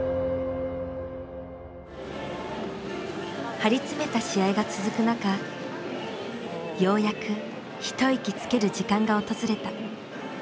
張り詰めた試合が続く中ようやく一息つける時間が訪れた。